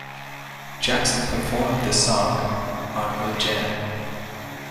Jackson performed the song on her janet.